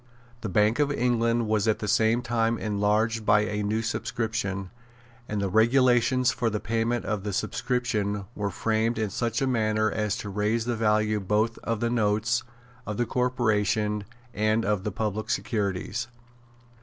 The Bank of England was at the same time enlarged by a new subscription; and the regulations for the payment of the subscription were framed in such a manner as to raise the value both of the notes of the corporation and of the public securities.